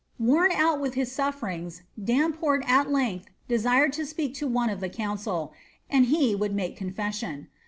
Worn out with his suffer ings, Damport at length desired to sp^ to one of the council, and he would make confession.